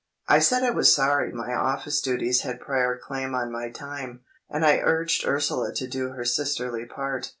I said I was sorry my office duties had prior claim on my time, and I urged Ursula to do her sisterly part.